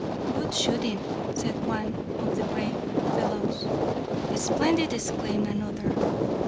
Good shooting, said one of the brave fellows. Splendid, exclaimed another.